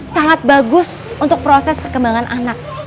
sangat bagus untuk proses perkembangan anak